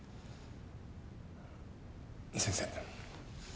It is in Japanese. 先生。